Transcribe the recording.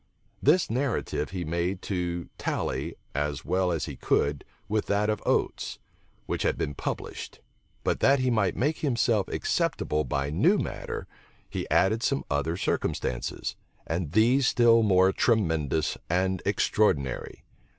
This narrative he made to tally, as well as he could, with that of Oates, which had been published: but that he might make himself acceptable by new matter, he added some other circumstances, and these still more tremendous and extraordinary.